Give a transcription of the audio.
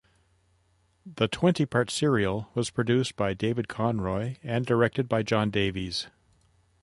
The twenty-part serial was produced by David Conroy and directed by John Davies.